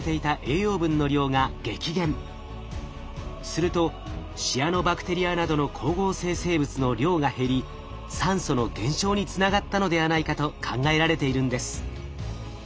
するとシアノバクテリアなどの光合成生物の量が減り酸素の減少につながったのではないかと考えられているんです。